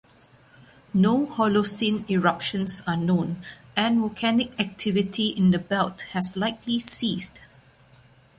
No Holocene eruptions are known, and volcanic activity in the belt has likely ceased.